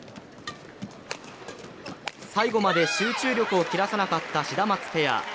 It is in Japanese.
最後まで集中力を切らさなかったシダマツペア。